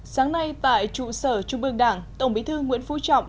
sáng nay tại trụ sở trung ương đảng tổng bí thư nguyễn phú trọng